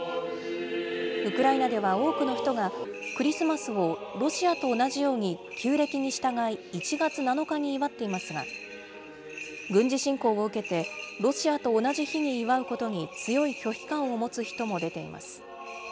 ウクライナでは多くの人が、クリスマスをロシアと同じように旧暦に従い、１月７日に祝っていますが、軍事侵攻を受けて、ロシアと同じ日に祝うことに強い拒否感を持つ人も出ています。